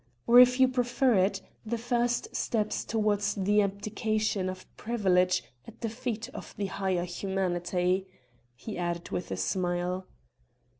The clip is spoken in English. "Or if you prefer it, the first steps towards the abdication of privilege at the feet of the higher humanity," he added with a smile.